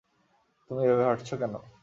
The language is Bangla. তুমি এভাবে হাঁটছ কেন?